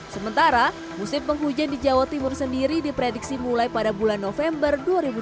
sementara musim penghujan di jawa timur sendiri diprediksi mulai pada bulan november dua ribu dua puluh